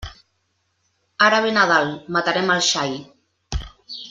Ara ve Nadal, matarem el xai.